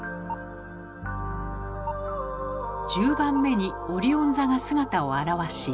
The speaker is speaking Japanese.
１０番目にオリオン座が姿を現し。